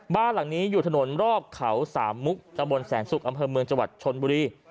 บ้านหลังนี้อยู่ถนนรอบเขาสามมุกตะบนแสนสุกอำเภอเมืองจังหวัดชนบุรี